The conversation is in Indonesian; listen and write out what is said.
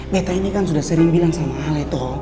meta ini kan sudah sering bilang sama ale toh